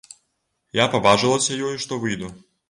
Я пабажылася ёй, што выйду.